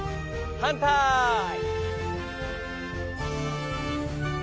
はんたい。